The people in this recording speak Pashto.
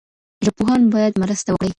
ژبپوهان بايد مرسته وکړي.